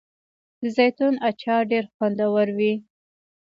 د زیتون اچار ډیر خوندور وي.